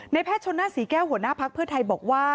แพทย์ชนหน้าศรีแก้วหัวหน้าภักดิ์เพื่อไทยบอกว่า